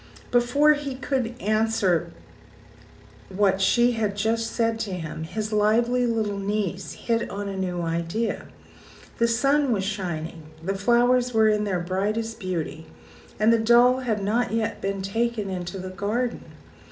Before he could answer what she had just said to him, his lively little niece hit on a new idea. The sun was shining, the flowers were in their brightest beauty and the doll had not yet been taken into the garden!